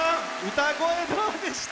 歌声、どうでした？